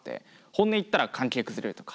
本音言ったら関係崩れるとか。